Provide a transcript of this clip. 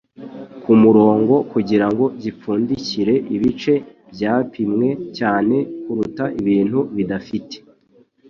kumurongo kugirango gipfundikire ibice byapimwe cyane kuruta ibintu bidafite